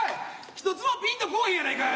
ひとつもピンとこぉへんやないかい。